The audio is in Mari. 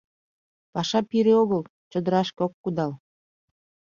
Паша пире огыл, чодырашке ок кудал...